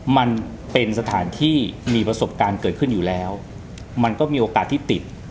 มันเป็นสถานที่มีประสบการณ์เกิดขึ้นอยู่แล้วมันก็มีโอกาสที่ติด